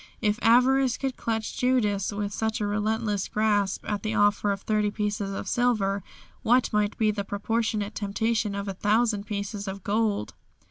If avarice could clutch Judas with such a relentless grasp at the offer of thirty pieces of silver, what might be the proportionate temptation of a thousand pieces of gold!